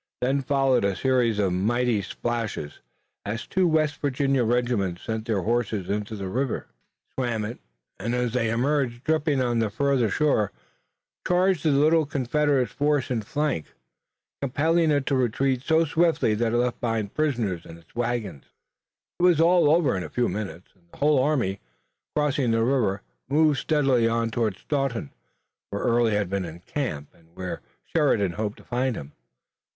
Then followed a series of mighty splashes, as two West Virginia regiments sent their horses into the river, swam it, and, as they emerged dripping on the farther shore, charged the little Confederate force in flank, compelling it to retreat so swiftly that it left behind prisoners and its wagons. It was all over in a few minutes, and the whole army, crossing the river, moved steadily on toward Staunton, where Early had been in camp, and where Sheridan hoped to find him.